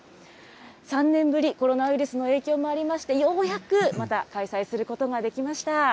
３年ぶり、コロナウイルスの影響もありまして、ようやくまた開催することができました。